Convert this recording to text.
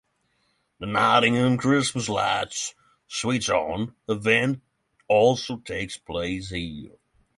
The Nottingham Christmas Lights switch-on event also takes place here.